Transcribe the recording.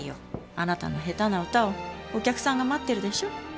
あなたの下手な歌をお客さんが待ってるでしょ。